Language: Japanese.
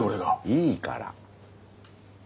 いいから。